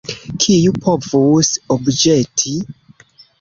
Kiu povus obĵeti?